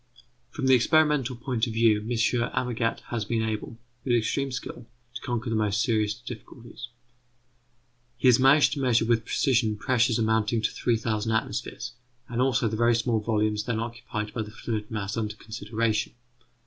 From the experimental point of view, M. Amagat has been able, with extreme skill, to conquer the most serious difficulties. He has managed to measure with precision pressures amounting to 3000 atmospheres, and also the very small volumes then occupied by the fluid mass under consideration.